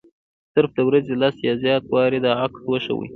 صرف د ورځې لس یا زیات وارې دا عکس وښيي.